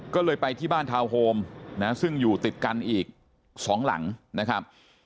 ก็เลยไปที่บ้านทาวน์โฮมนะซึ่งอยู่ติดกันอีกสองหลังนะครับ